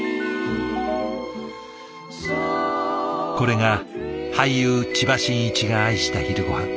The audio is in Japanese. これが俳優千葉真一が愛した昼ごはん。